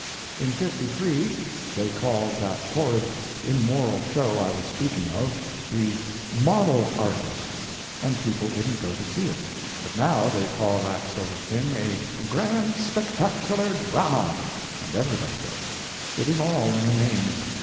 In '53 they called that horrid, immoral show I was speaking of, the "Model Artists," and people wouldn't go to see it. But now they call that sort of thing a "Grand Spectacular Drama," and everybody goes. It is all in a name.